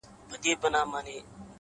• له څو خوښيو او دردو راهيسي؛